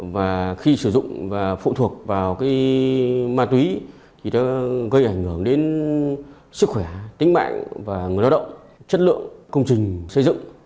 và khi sử dụng và phụ thuộc vào ma túy thì nó gây ảnh hưởng đến sức khỏe tính mạng và người lao động chất lượng công trình xây dựng